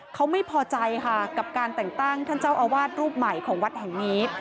เขาไม่พอใจค่ะกับการแต่งตั้งท่านเจ้าอาวาสรูปใหม่ของวัดแห่งนี้